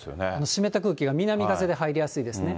湿った空気が南風で入りやすいですね。